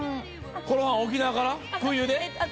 これは沖縄から空輸で？